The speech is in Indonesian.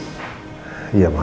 sudah sampai dok